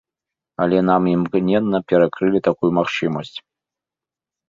Але нам імгненна перакрылі такую магчымасць.